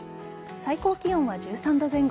最高気温は１３度前後。